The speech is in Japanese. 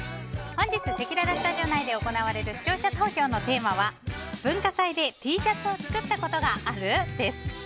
本日、せきららスタジオ内で行われる視聴者投票のテーマは文化祭でＴシャツを作ったことがある？です。